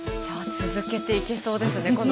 じゃあ続けていけそうですね